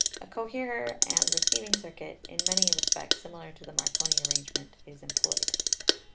A coherer and receiving circuit in many respects similar to the Mar coni arrangement is employed.